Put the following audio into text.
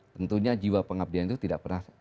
tentunya jiwa pengabdian itu tidak pernah